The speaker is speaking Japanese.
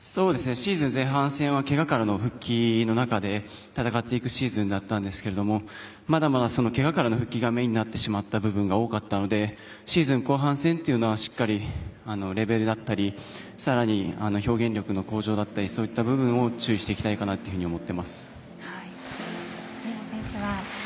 シーズン前半戦はけがからの復帰の中で戦っていくシーズンだったんですがまだまだけがからの復帰がメインになってしまった部分が多かったのでシーズン後半戦はしっかり、レベルだったり更に表現力の向上だったりそういった部分を三浦選手は？